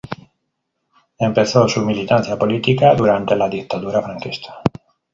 Empezó su militancia política durante la dictadura franquista.